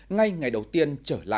ngay ngày đầu tiên